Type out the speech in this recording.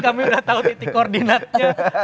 kami udah tahu titik koordinatnya